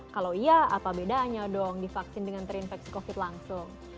kalau iya apa bedanya dong divaksin dengan terinfeksi covid langsung